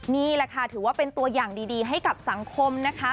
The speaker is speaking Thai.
นี่แหละค่ะถือว่าเป็นตัวอย่างดีให้กับสังคมนะคะ